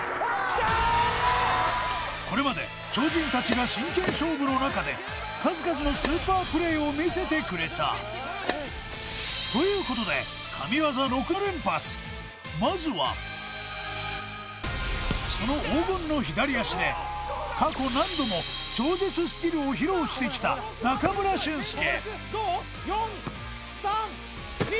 これまで超人たちが真剣勝負の中でを見せてくれたということで神業６連発まずはその黄金の左足で過去何度も超絶スキルを披露してきた中村俊輔４３２